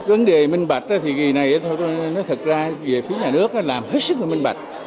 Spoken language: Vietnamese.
vấn đề minh bạch thì kỳ này nó thật ra về phía nhà nước làm hết sức là minh bạch